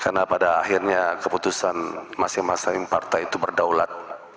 karena pada akhirnya keputusan masing masing partai itu berdaulat